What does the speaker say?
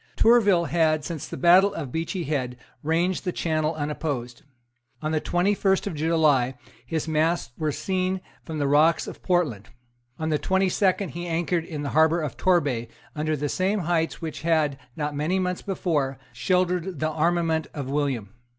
Tourville had, since the battle of Beachy Head, ranged the Channel unopposed. On the twenty first of July his masts were seen from the rocks of Portland. On the twenty second he anchored in the harbour of Torbay, under the same heights which had, not many months before, sheltered the armament of William.